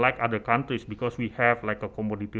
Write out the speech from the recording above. bukan negara lain karena kita memiliki komoditas